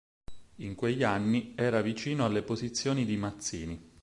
In quegli anni era vicino alle posizioni di Mazzini.